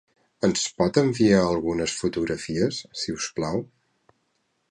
Ens en pot enviar algunes fotografies, si us plau?